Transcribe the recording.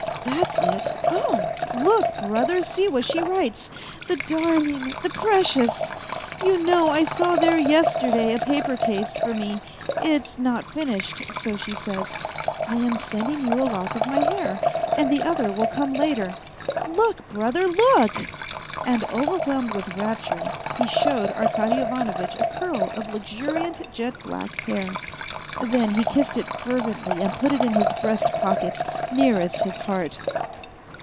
That's it, oh ! Look, brother, see what she writes. The dar ling, the precious ! You know T saw there yesterday a paper case for me ; it's not finished, so she says, ' I am sending you a lock of my hair, and the other will come later.' Look, brother, look !" And overwhelmed with rapture he showed Arkady Ivanovitch a curl of luxuriant, jet black hair ; then he kissed it fervently and put it in his breast pocket, nearest his heart.